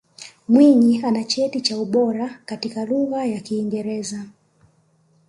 Mwinyi ana cheti cha ubora katika Lugha ya Kiingereza